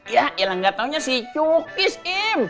yaa ilang gatau nya si cukis im